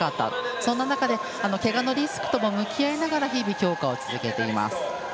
そんな中でけがのリスクとも向き合いながら日々、強化を続けています。